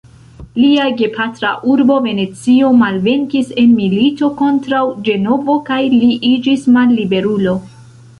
Lia gepatra urbo Venecio malvenkis en milito kontraŭ Ĝenovo kaj li iĝis malliberulo.